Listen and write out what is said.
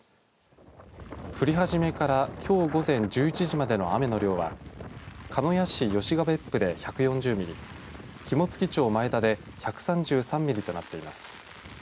降り始めからきょう午前１１時までの雨の量は鹿屋市吉ケ別府で１４０ミリ肝付町前田で１３３ミリなどとなっています。